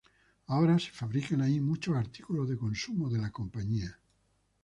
Ahora se fabrican ahí muchos artículos de consumo de la compañía.